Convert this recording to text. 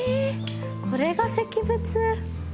これが石仏。